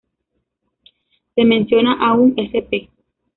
Se menciona a un Sp.